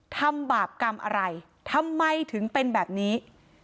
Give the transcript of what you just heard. ทำบาปกรรมอะไรทำไมถึงเป็นแบบนี้